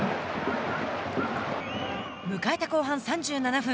迎えた後半３７分。